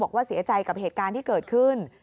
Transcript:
บอกว่าเสียใจกับเหตุการณ์ที่เกิดขึ้น